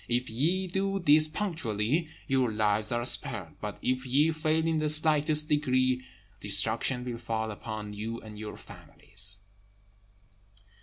If ye do this punctually, your lives are spared; but if ye fail in the slightest degree, destruction will fall upon you and your families."